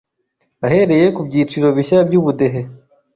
Ahereye ku byiciro bishya by’ubudehe